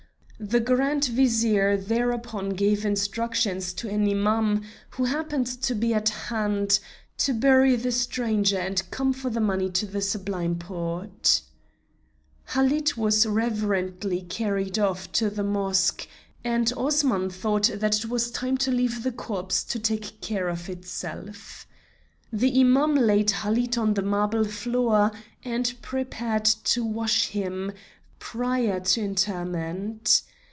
The Grand Vizier thereupon gave instructions to an Imam, who happened to be at hand, to bury the stranger and come for the money to the Sublime Porte. Halid was reverently carried off to the Mosque, and Osman thought that it was time to leave the corpse to take care of itself. The Imam laid Halid on the marble floor and prepared to wash him prior to interment.